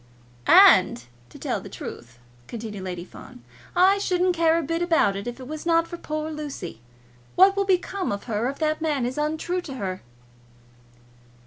"And to tell the truth," continued Lady Fawn, "I shouldn't care a bit about it if it was not for poor Lucy. What will become of her if that man is untrue to her?"